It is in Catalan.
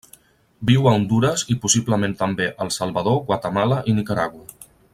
Viu a Hondures i possiblement també al Salvador, Guatemala i Nicaragua.